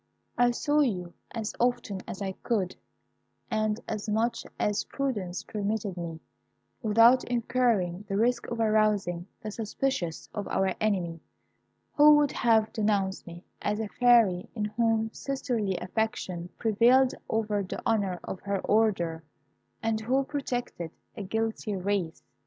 "I saw you as often as I could, and as much as prudence permitted me, without incurring the risk of arousing the suspicions of our enemy, who would have denounced me as a Fairy in whom sisterly affection prevailed over the honour of her order, and who protected a guilty race.